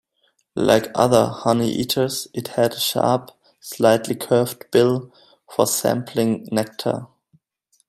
Like other honeyeaters it had a sharp, slightly curved bill for sampling nectar.